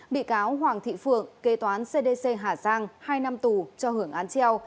bị cáo hoàng thị phượng kế toán cdc hà giang hai năm tù cho hưởng án treo